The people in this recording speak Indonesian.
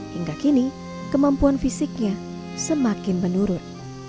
hingga kini kemampuan fisiknya semakin menurun